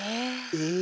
え。